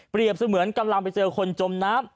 เปรียบเสมือนกำลังไปเจอคนจมนับ